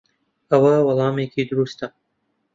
ئەوە وەڵامێکی دروستە.